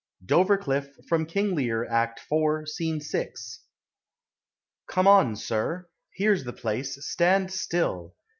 DOVER CLIFF. FROM " KING LEAR," ACT IV. SC. 6. Come on, sir; here 's the place : stand still